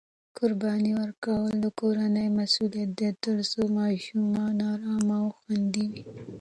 قرباني ورکول د کورنۍ مسؤلیت دی ترڅو ماشومان ارام او خوندي وي.